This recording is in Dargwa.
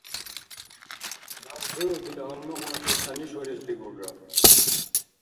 Наб хӀу дила гьалмагъуначил танишварес дигулра.